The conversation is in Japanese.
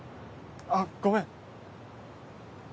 あっごめん！